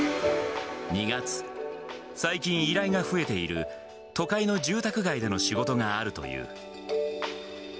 ２月、最近、依頼が増えている都会の住宅街での仕事があるという。